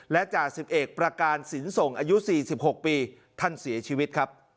และจาศิพเอกประการศิลสงฆ์อายุ๔๖ปีท่านเสียชีวิต